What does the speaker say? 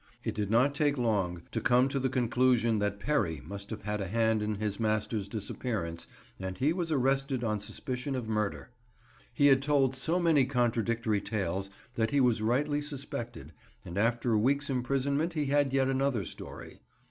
It did not take long to come to the conclusion that Perry must have had a hand in his master's disappearance, and he was arrested on suspicion of murder. He had told so many contradictory tales that he was rightly suspected, and after a week's imprisonment he had yet another story.